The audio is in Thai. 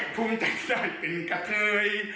ภูมิใจที่ได้เป็นกระเทย